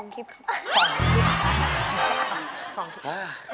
คลิปครับ